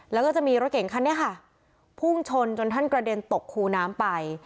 แล้วก็จะมีรถเก่งคันนี้ค่ะพุ่งชนจนท่านกระเด็นตกคูน้ำไป